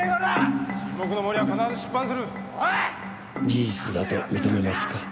事実だと認めますか？